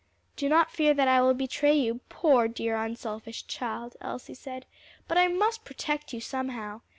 "Do not fear that I will betray you, poor, dear, unselfish child," Elsie said; "but I must protect you somehow.